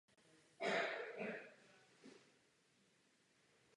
Kostel je jednolodní přibližně orientovaná stavba s barokně upravenou věží a sakristií.